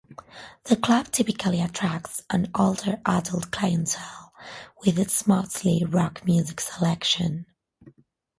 The club typically attracts an older adult clientele with its mostly rock music selection.